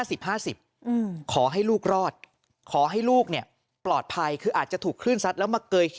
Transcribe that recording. อืมขอให้ลูกรอดขอให้ลูกเนี่ยปลอดภัยคืออาจจะถูกขึ้นซัดแล้วมาเกย